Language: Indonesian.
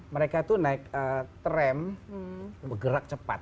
mereka itu naik tram bergerak cepat